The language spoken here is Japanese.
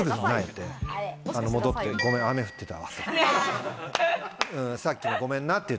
戻って、ごめん雨降ってたわって。